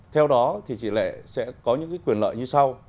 theo đó thì chị lệ sẽ có những quyền lợi như sau